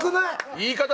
言い方。